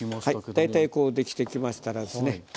大体こうできてきましたらですね